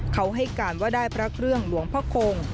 เขาให้การว่าได้พระเครื่องหลวงพ่อคง